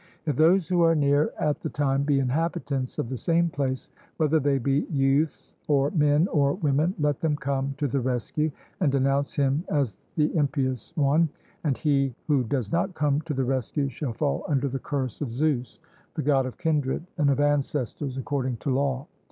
If those who are near at the time be inhabitants of the same place, whether they be youths, or men, or women, let them come to the rescue and denounce him as the impious one; and he who does not come to the rescue shall fall under the curse of Zeus, the God of kindred and of ancestors, according to law.